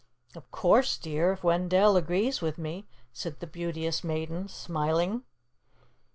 "Of course, dear, if Wendell agrees with me," said the Beauteous Maiden, smiling.